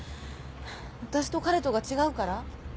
わたしと彼とが違うから？